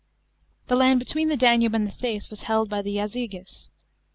The land between the Danube and the Theiss was held by the Jazyges.